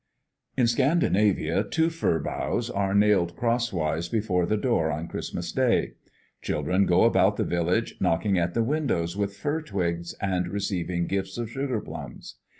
In Scandinavia two fir boughs are nailed crosswise before the door on Christmas day. Children go about the village, knocking at the windows with fir twigs, and receiving gifts of sugar plums.